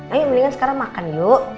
ayo mendingan sekarang makan yuk